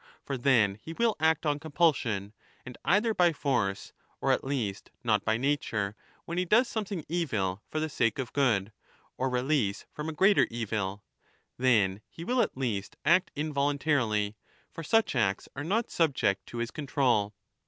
For then he will act on compulsion, and either ^ by force, or at least not by nature, when he does something evil for the sake of good, or release from a greater evil ; then he will at least act involuntarily, for such acts are not subject to his con 20 trol.